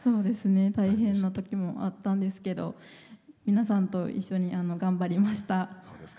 大変なときもあったんですけど皆さんと一緒に頑張りました。